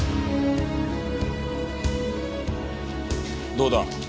どうだ？